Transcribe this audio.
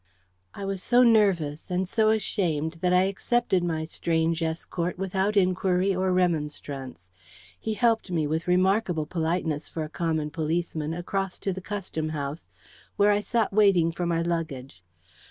I was so nervous, and so ashamed that I accepted my strange escort without inquiry or remonstrance. He helped me, with remarkable politeness for a common policeman, across to the Custom House, where I sat waiting for my luggage.